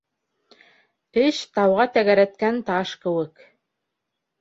Эш тауға тәгәрәткән таш кеүек: